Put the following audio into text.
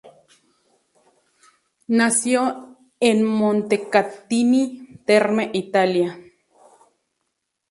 Nació en Montecatini Terme, Italia.